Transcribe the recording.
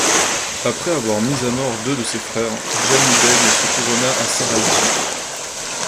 Après avoir mis à mort deux de ses frères, Djanibeg se couronna à Saraïtchik.